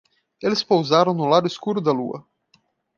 Eles pousaram no lado escuro da lua.